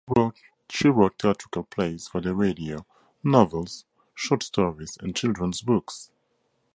She wrote theatrical plays for the radio, novels, short stories and children's books.